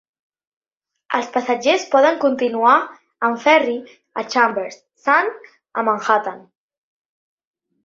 Els passatgers poden continuar amb ferri a Chambers St a Manhattan.